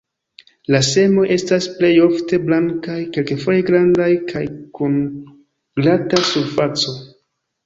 La semoj estas plej ofte blankaj, kelkfoje grandaj kaj kun glata surfaco.